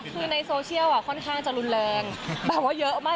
คือในโซเชียลค่อนข้างจะรุนแรงแบบว่าเยอะมาก